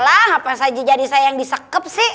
lah apa saja jadi saya yang disekep sih